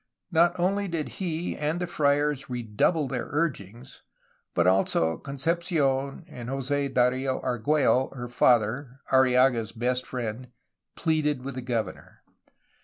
Not only did he and the friars redouble their urgings, but also Concepci6n and Jos^ Dario Argiiello (her father), Arrillaga's best friend, pleaded with the governor.